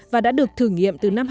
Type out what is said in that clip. và đã được thử nghiệm từ năm hai nghìn